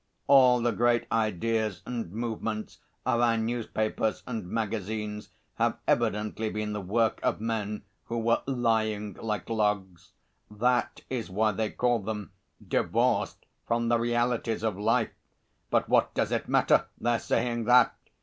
All the great ideas and movements of our newspapers and magazines have evidently been the work of men who were lying like logs; that is why they call them divorced from the realities of life but what does it matter, their saying that!